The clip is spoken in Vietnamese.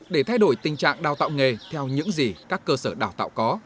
để thay đổi tình trạng đào tạo nghề theo những gì các cơ sở đào tạo có